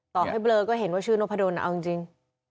ต่อให้เบลอก็เห็นว่าชื่อนพดลเอาจริง